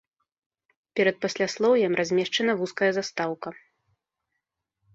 Перад пасляслоўем размешчана вузкая застаўка.